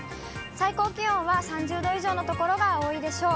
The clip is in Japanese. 最高気温は３０度以上の所が多いでしょう。